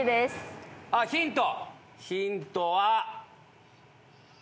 あっヒント。